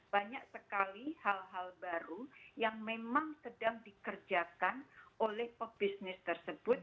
banyak sekali hal hal baru yang memang sedang dikerjakan oleh pebisnis tersebut